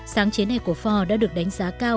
sáng chế này của for đã được đánh giá cao